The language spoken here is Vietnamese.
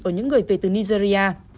ở những người về từ nigeria